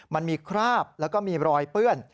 มันมีคราบแล้วก็มีรอยเปื้อน